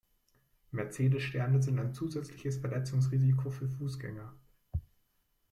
Mercedes-Sterne sind ein zusätzliches Verletzungsrisiko für Fußgänger.